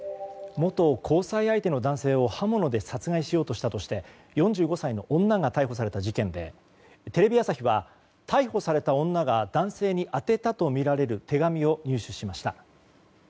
元交際相手の男性を刃物で殺害しようとしたとして４５歳の女が逮捕された事件でテレビ朝日は逮捕された女が男性に宛てたとされる手紙を入手しました。